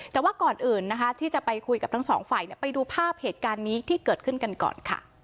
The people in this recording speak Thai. แต่ว่าก่อนอื่นนะคะที่จะไปคุยกับทั้งสองฝ่ายไปดูภาพเหตุการณ์นี้ที่เกิดขึ้นกันก่อนค่ะ